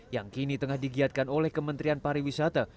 yang kini tengah digiatkan oleh kementerian pariwisata